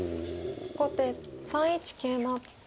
後手３一桂馬。